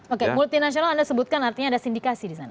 oke multinasional anda sebutkan artinya ada sindikasi di sana